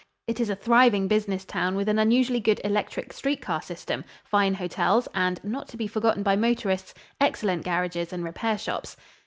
It is a thriving business town with an unusually good electric street car system, fine hotels and (not to be forgotten by motorists) excellent garages and repair shops.